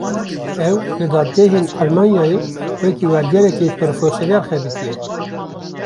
Ew, li dadgehên Almanyayê, wekî wergêrekî profesyonel xebitiye